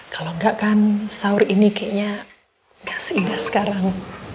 kalau enggak kan sahur ini kayaknya gak seindah sekarang